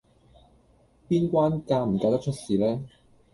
邊關嫁唔嫁得出事呢